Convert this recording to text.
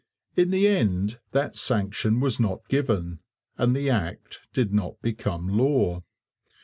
In the end that sanction was not given, and the Act did not become law.